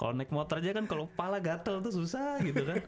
kalo naik motor aja kan kalo kepala gatel tuh susah gitu kan